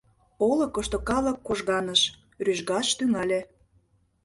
Олыкышто калык кожганыш, рӱжгаш тӱҥале.